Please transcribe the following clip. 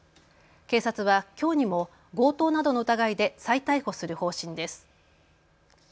警察はきょうにも強盗などの疑いで再逮捕する方針です。